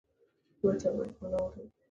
متن باید معنا ولري.